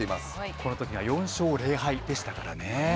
このときには、４勝０敗でしたからね。